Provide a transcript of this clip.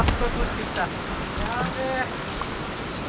やべえ。